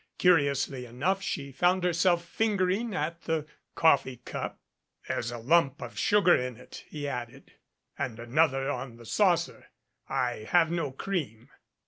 Curiously enough she found herself fingering at the coffee cup. "There's a lump of sugar in it," he added, "and an other on the saucer. I have no cream."